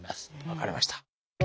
分かりました。